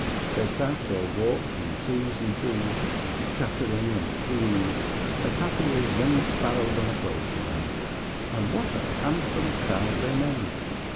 They sat or walked in twos and threes, chattering and preening, as happy as young sparrows on a clothes line. And what a handsome crowd they made!